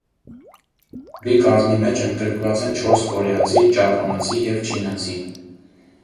Խմբի կազմի մեջ ընդգրկված են չորս կորեացի, ճապոնացի և չինացի։